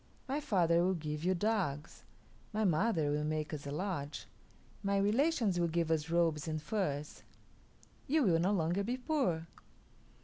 My father will give you dogs; my mother will make us a lodge; my relations will give us robes and furs; you will no longer be poor."